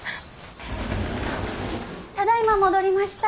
ただいま戻りました。